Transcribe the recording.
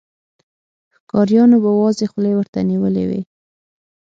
ښکاريانو به وازې خولې ورته نيولې وې.